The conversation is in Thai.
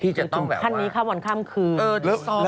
ที่จะต้องแบบว่า